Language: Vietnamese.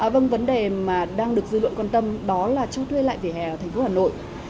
vâng vấn đề mà đang được dư luận quan tâm đó là cho thuê lại vỉa hè ở thành phố hà nội